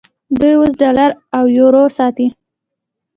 دوی اوس ډالر او یورو ساتي.